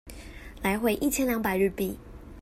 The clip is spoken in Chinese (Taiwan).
來回一千兩百日幣